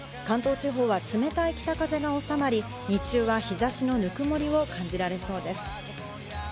関東地方は冷たい北風が収まり、日中は日差しのぬくもりを感じられそうです。